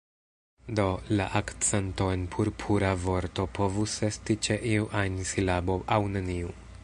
Do, la akcento en "Purpura" vorto povus esti ĉe iu ajn silabo aŭ neniu.